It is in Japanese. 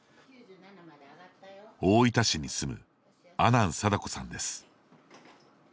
大分市に住む阿南貞子さんです。